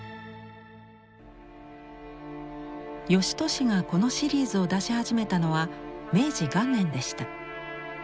芳年がこのシリーズを出し始めたのは明治元年でした。